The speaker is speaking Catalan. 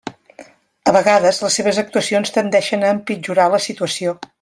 A vegades les seves actuacions tendeixen a empitjorar la situació.